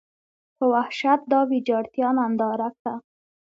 په وحشت دا ویجاړتیا ننداره کړه.